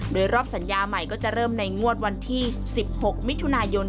โดยรอบสัญญาใหม่ก็จะเริ่มในงวดวันที่๑๖มิถุนายน